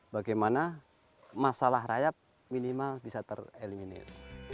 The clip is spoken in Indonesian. bagaimana masalah rayap minimal bisa tereliminir